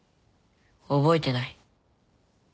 覚えてない。